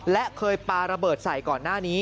และเคยปาระเบิดใส่ก่อนหน้านี้